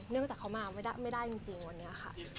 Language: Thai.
เนื่องจากเขามาไม่ได้จริงวันนี้ค่ะ